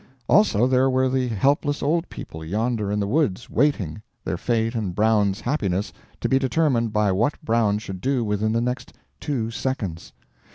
Also, there were the helpless Old People yonder in the woods waiting their fate and Brown's happiness to be determined by what Brown should do within the next two seconds.